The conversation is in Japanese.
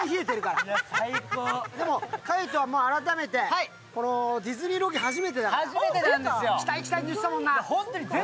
海音は改めてこのディズニーロケ初めてだから。来たい来たいって言ってたもんな。